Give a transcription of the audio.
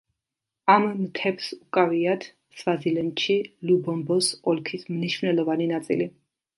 ამ მთებს უკავიათ სვაზილენდში ლუბომბოს ოლქის მნიშვნელოვანი ნაწილი.